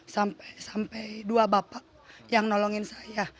sampai dua bapak yang nolongin saya